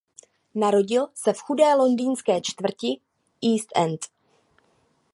Narodil se v chudé londýnské čtvrti East End.